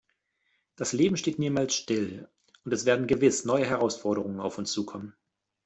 Das Leben steht niemals still, und es werden gewiss neue Herausforderungen auf uns zukommen.